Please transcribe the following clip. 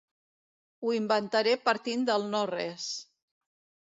Ho inventaré partint del no-res.